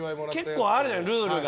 結構、あるじゃないルールが。